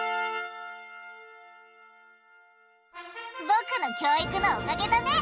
僕の教育のおかげだね。